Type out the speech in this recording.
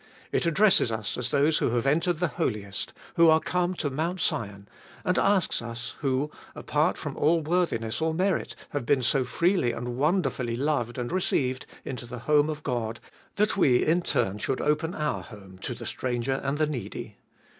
It addresses us as those who have entered the Holiest, who are come to Mount Sion, and asks us, who, apart from all worthiness or merit, have been so freely and wonder fully loved and received into the home of God, that we in turn should open our home to the stranger and the needy.